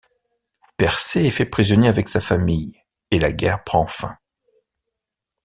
Persée est fait prisonnier avec sa famille et la guerre prend fin.